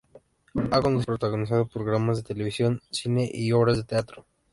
Ha conducido y protagonizado programas de televisión, cine y obras de teatro.